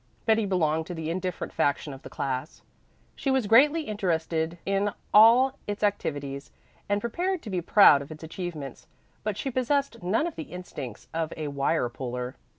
Betty belonged to the indifferent faction of the class. She was greatly interested in all its activities, and prepared to be proud of its achievements, but she possessed none of the instincts of a wire puller.